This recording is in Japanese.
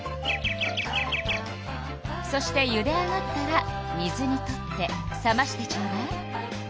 そしてゆで上がったら水にとって冷ましてちょうだい。